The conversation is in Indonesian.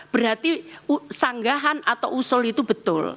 berarti sanggahan atau usul itu betul